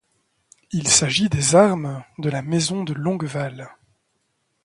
Il s'agit des armes de la maison de Longueval.